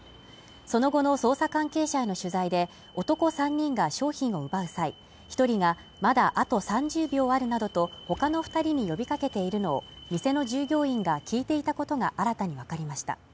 その後の捜査関係者への取材で男３人が商品を奪う際、１人がまだあと３０秒あるなどと、他の２人に呼びかけているのを店の従業員が聞いていたことが新たにわかりました。